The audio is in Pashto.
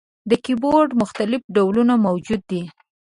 د کیبورډ مختلف ډولونه موجود دي.